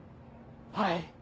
はい。